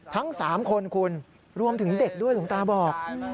ทั้ง๓คนคุณรวมถึงเด็กด้วยหลวงตาบอก